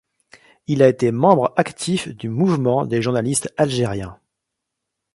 Il a été membre actif du Mouvement des Journalistes Algériens.